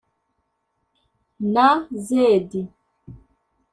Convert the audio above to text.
na Z